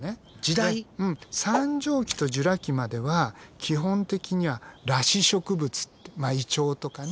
三畳紀とジュラ紀までは基本的には裸子植物ってイチョウとかね